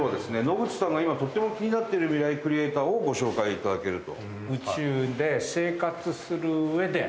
野口さんが今とても気になっているミライクリエイターをご紹介頂けると。